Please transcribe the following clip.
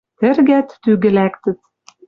Тӹргӓт, тӱгӹ лӓктӹт.